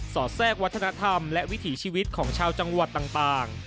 อดแทรกวัฒนธรรมและวิถีชีวิตของชาวจังหวัดต่าง